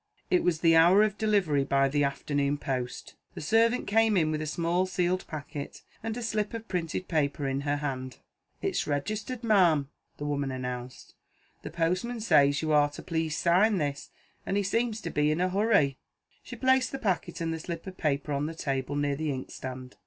It was the hour of delivery by the afternoon post. The servant came in with a small sealed packet, and a slip of printed paper in her hand. "It's registered, ma'am," the woman announced. "The postman says you are to please sign this. And he seems to be in a hurry." She placed the packet and the slip of paper on the table, near the inkstand.